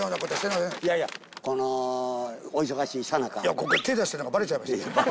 このお忙しいさなか。